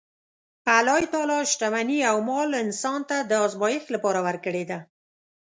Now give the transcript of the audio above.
الله تعالی شتمني او مال انسان ته د ازمایښت لپاره ورکړې ده.